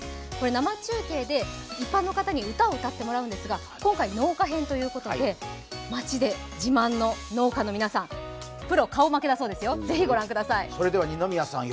生中継で一般の方に歌を歌ってもらうんですが、今回農家編ということで町で自慢の農家の皆さん、プロ顔負けだそうですよ、ぜひ御覧ください。